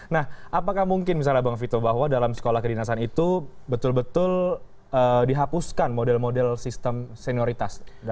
nah apakah mungkin misalnya bang vito bahwa dalam sekolah kedinasan itu betul betul dihapuskan model model sistem senioritas